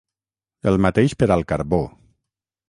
El mateix per al carbó.